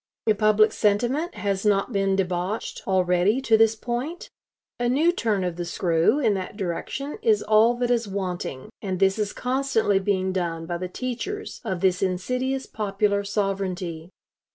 If public sentiment has not been debauched already to this point, a new turn of the screw in that direction is all that is wanting; and this is constantly being done by the teachers of this insidious popular sovereignty.